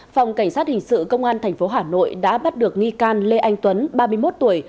phòng cảnh sát hình sự công an tp hà nội đã bắt được nghi can lê anh tuấn ba mươi một tuổi